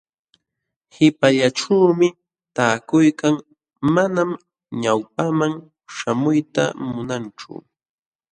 Qipallaćhuumi taakuykan, manam ñawpaqman śhamuyta munanchu.